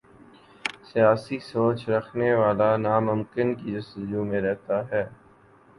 سیاسی سوچ رکھنے والا ناممکن کی جستجو میں رہتا ہے۔